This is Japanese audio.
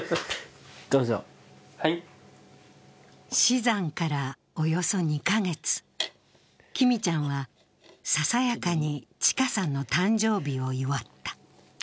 死産からおよそ２カ月、きみちゃんは、ささやかにちかさんの誕生日を祝った。